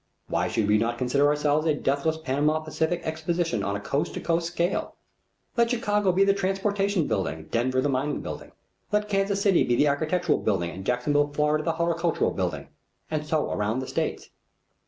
Why should we not consider ourselves a deathless Panama Pacific Exposition on a coast to coast scale? Let Chicago be the transportation building, Denver the mining building. Let Kansas City be the agricultural building and Jacksonville, Florida, the horticultural building, and so around the states.